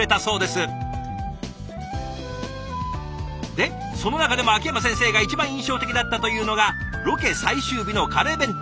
でその中でも秋山先生が一番印象的だったというのがロケ最終日のカレー弁当。